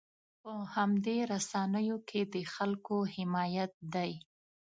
په همدې رسنیو کې د خلکو حمایت دی.